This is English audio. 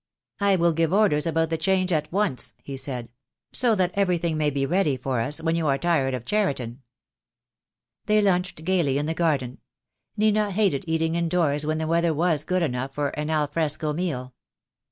"I will give orders about the change at once," he 4 0 THE DAY WILL COME. said, "so that everything may be ready for us when you are tired of Cheriton." They lunched gaily in the garden. Nita hated eating indoors when the weather was good enough for an al fresco meal.